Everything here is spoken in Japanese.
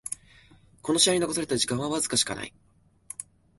この試合に残された時間はわずかしかない